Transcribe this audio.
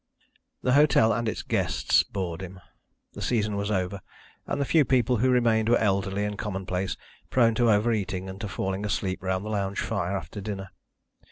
The hotel and its guests bored him. The season was over, and the few people who remained were elderly and commonplace, prone to overeating, and to falling asleep round the lounge fire after dinner.